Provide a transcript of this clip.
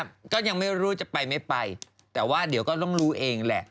ก็ยังไม่รู้จะไปไม่ไปแต่ว่าเดี๋ยวก็ต้องรู้เองแหละ